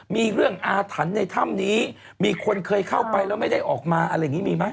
มีเรื่องอาถรรพ์ในถ้ำนี้มีคนเคยเข้าไปแล้วไม่ได้ออกมาอะไรอย่างนี้มีไหม